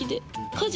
家事。